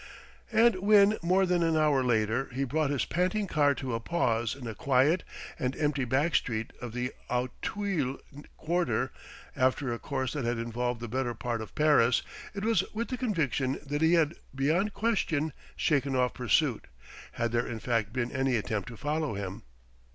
And when, more than an hour later, he brought his panting car to a pause in a quiet and empty back street of the Auteuil quarter, after a course that had involved the better part of Paris, it was with the conviction that he had beyond question shaken off pursuit had there in fact been any attempt to follow him.